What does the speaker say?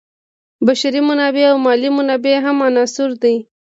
بشري منابع او مالي منابع هم عناصر دي.